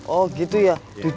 oh gitu ya